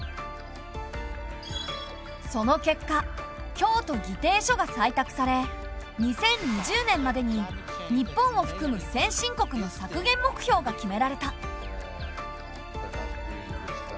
その結果京都議定書が採択され２０２０年までに日本をふくむ先進国の削減目標が決められた。